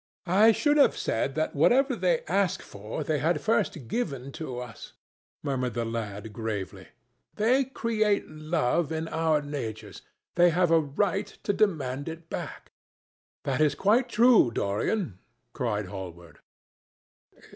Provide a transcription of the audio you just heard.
"I should have said that whatever they ask for they had first given to us," murmured the lad gravely. "They create love in our natures. They have a right to demand it back." "That is quite true, Dorian," cried Hallward.